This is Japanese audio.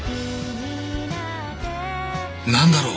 何だろう